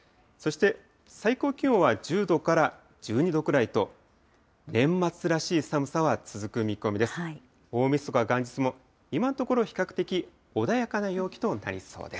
そして最高気温は１０度から１２度くらいと、年末らしい寒さは続く見込みです。